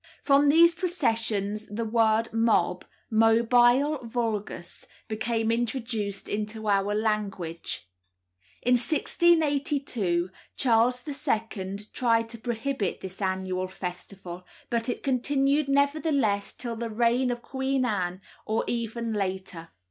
From these processions the word MOB (mobile vulgus) became introduced into our language. In 1682, Charles II. tried to prohibit this annual festival, but it continued nevertheless till the reign of Queen Anne, or even later.